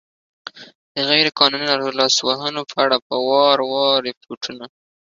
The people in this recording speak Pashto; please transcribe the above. د غیر قانوني لاسوهنو په اړه په وار وار ریپوټون